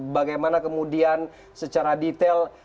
bagaimana kemudian secara detail